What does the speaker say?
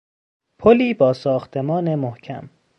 پلی با ساختمان محکم